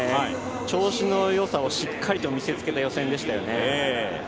調子のよさをしっかり見せつけた予選でしたね。